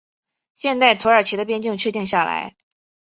现代土耳其的边境确定下来。